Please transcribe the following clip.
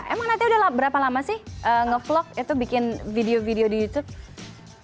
emang natia udah berapa lama sih ngevlog itu bikin video video di youtube